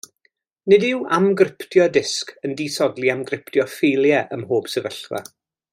Nid yw amgryptio disg yn disodli amgryptio ffeiliau ym mhob sefyllfa.